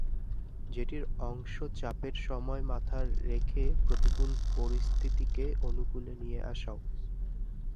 যেটির অংশ চাপের সময় মাথা ঠান্ডা রেখে প্রতিকূল পরিস্থিতিকে অনুকূলে নিয়ে আসাও।